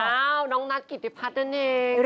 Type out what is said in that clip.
อ้าวน้องนัทกิทธิพัฒน์นั่นเอง